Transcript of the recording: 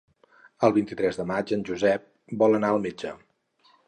El vint-i-tres de maig en Josep vol anar al metge.